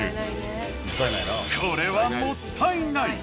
これはもったいない！